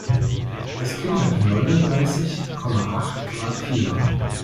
Das Kind hat neununddreißig Komma acht Grad Fieber.